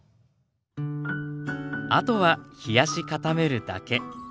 あとは冷やし固めるだけ。